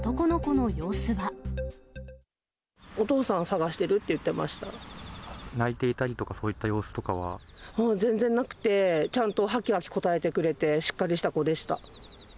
お父さん探してるって言って泣いていたりとか、そういっ全然なくて、ちゃんとはきはき答えてくれて、しっかりした子でした。